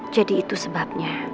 jadi itu sebabnya